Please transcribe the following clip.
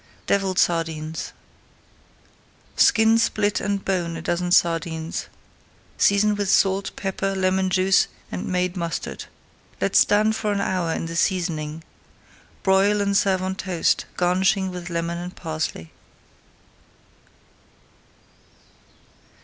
DEVILLED SARDINES Skin, split and bone a dozen sardines. Season with salt, pepper, lemon juice, and made mustard. Let stand for an hour in the seasoning. Broil and serve on toast, garnishing with lemon and parsley.